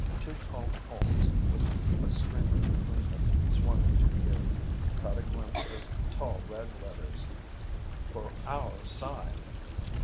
Two tall poles with a streamer between them swung into view. He caught a glimpse of tall red letters: ... For Our Side!